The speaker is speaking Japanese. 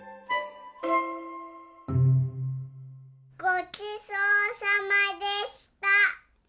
ごちそうさまでした。